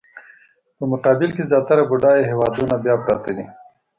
په مقابل کې زیاتره بډایه هېوادونه بیا پراته دي.